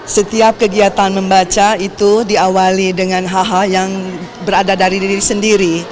setiap kegiatan membaca itu diawali dengan hahaha yang berada dari diri sendiri